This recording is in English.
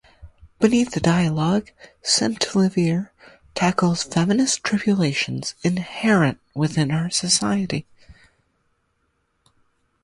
Beneath the dialogue Centlivre tackles feminist tribulations inherent within her society.